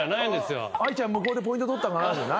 愛ちゃん向こうでポイント取ったのかな？